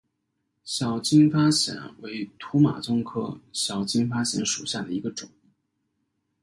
小金发藓为土马鬃科小金发藓属下的一个种。